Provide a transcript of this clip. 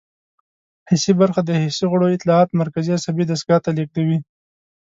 حسي برخه د حسي غړو اطلاعات مرکزي عصبي دستګاه ته لیږدوي.